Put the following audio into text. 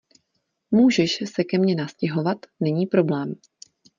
Můžeš se ke mě nastěhovat, není problém.